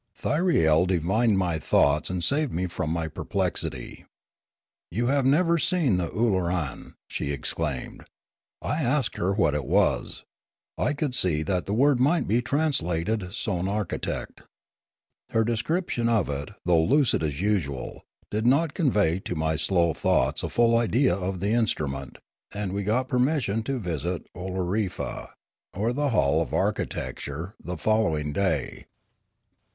Thyriel divined my thoughts and saved me from my perplexity. " You have never seen the Ooloran," she exclaimed. I asked her what it was. I could see that the word might be translated sonarchitect. Her de scription of it, though lucid as usual, did not convey to my slow thoughts a full idea of the instrument; and 162 Oolorefa 163 we got permission to visit Oolorefa, or the hall of archi tecture, the following day.